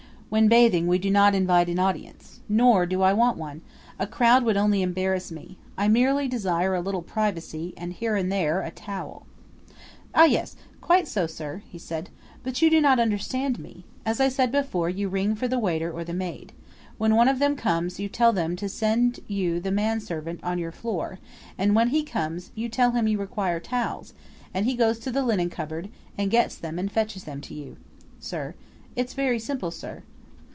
When bathing we do not invite an audience. Nor do I want one. A crowd would only embarrass me. I merely desire a little privacy and, here and there, a towel." "Ah, yes! Quite so, sir," he said; "but you do not understand me. As I said before, you ring for the waiter or the maid. When one of them comes you tell them to send you the manservant on your floor; and when he comes you tell him you require towels, and he goes to the linen cupboard and gets them and fetches them to you, sir. It's very simple, sir."